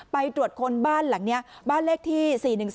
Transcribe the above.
ไปตรวจคนบ้านหลังนี้บ้านเลขที่๔๑๔